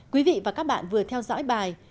quý vị và các bạn vừa theo dõi bài